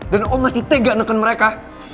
dan om masih tegan neken mereka